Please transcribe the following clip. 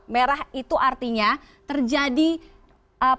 merah itu artinya terjadi penambahan covid sembilan belas